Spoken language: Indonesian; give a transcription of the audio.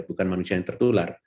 bukan manusia yang tertular